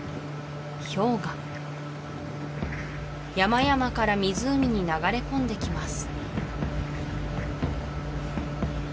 氷河山々から湖に流れ込んできます